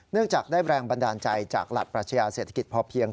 จากได้แรงบันดาลใจจากหลักปรัชญาเศรษฐกิจพอเพียง